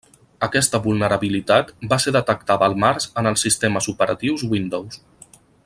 Aquesta vulnerabilitat va ser detectada al març en els sistemes operatius Windows.